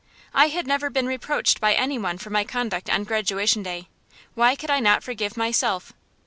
I had never been reproached by any one for my conduct on Graduation Day. Why could I not forgive myself?